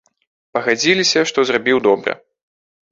Пагадзіліся, што зрабіў добра.